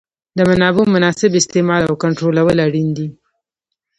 د منابعو مناسب استعمال او کنټرولول اړین دي.